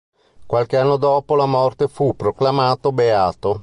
Qualche anno dopo la morte fu proclamato beato.